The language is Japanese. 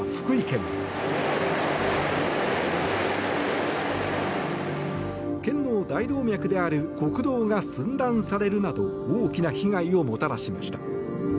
県の大動脈である国道が寸断されるなど大きな被害をもたらしました。